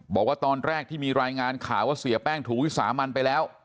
บอกว่าตอนแรกที่มีรายงานข่าวว่าเสียแป้งถูกวิสามันไปแล้ว